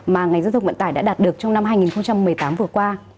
mà ngành giao thông vận tải đã đạt được trong năm hai nghìn một mươi tám vừa qua